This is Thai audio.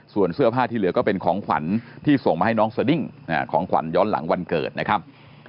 ส่วนเสื้อผ้าที่เหลือก็เป็นของขวัญที่ส่งมาให้น้องสดิ้งของขวัญย้อนหลังวันเกิดนะครับ